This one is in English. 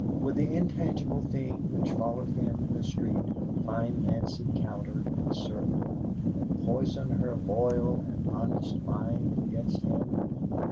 Would the intangible thing which followed him in the street find Nancy Cowder in Serbia and poison her loyal and honest mind against him?